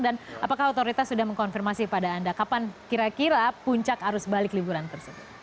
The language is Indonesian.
dan apakah otoritas sudah mengkonfirmasi pada anda kapan kira kira puncak arus balik liburan tersebut